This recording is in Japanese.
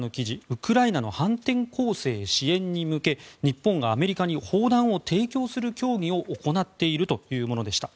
ウクライナの反転攻勢支援に向け日本がアメリカに砲弾を提供する協議を行っているというものでした。